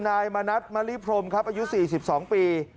นายมณัฐมริพรมครับอายุ๔๒ปี